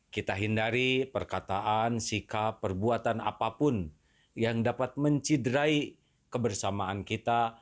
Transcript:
kita hindari perkataan sikap perbuatan apapun yang dapat mencidrai kebersamaan kita